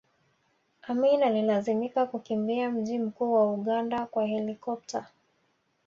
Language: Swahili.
Amin alilazimika kukimbia mji mkuu wa Uganda kwa helikopta